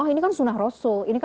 oh ini kan sunnah rasul